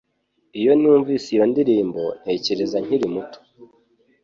Iyo numvise iyo ndirimbo, ntekereza nkiri muto